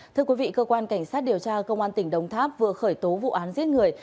thưa quý vị cơ quan cảnh sát điều tra công an tỉnh đồng tháp vừa khởi tố vụ án giết người